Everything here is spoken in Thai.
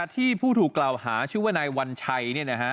ที่ผู้ถูกกล่าวหาชื่อว่านายวัญชัย